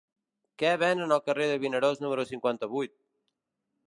Què venen al carrer de Vinaròs número cinquanta-vuit?